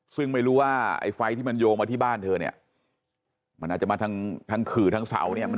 ซึ่งไม่รู้ว่าไอ้ไฟที่มันโยงมาที่บ้านเธอเนี่ยมันอาจจะมาทั้งขื่อทั้งเสาเนี่ย